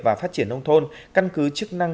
và phát triển nông thôn căn cứ chức năng